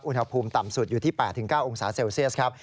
อุณหภูมิต่ำสุดอยู่ที่๘๙องศาเซลเซียสครับ